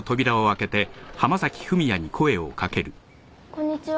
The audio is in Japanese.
こんにちは。